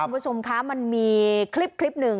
คุณผู้ชมคะมันมีคลิปหนึ่ง